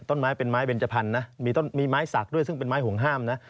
ต้นไม้เป็นไม้เบนจพันธุ์นะมีไม้สักด้วยซึ่งเป็นไม้ห่วงห้ามนะ